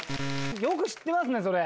よく知ってますねそれ。